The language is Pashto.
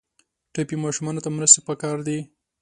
ټپي ماشومانو ته مرستې پکار دي.